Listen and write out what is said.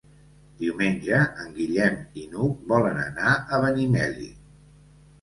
Diumenge en Guillem i n'Hug volen anar a Benimeli.